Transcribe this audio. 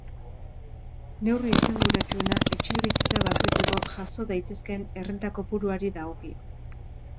Neurri esanguratsuena etxebizitza bakoitzeko jaso daitezkeen errenta kopuruari dagokio.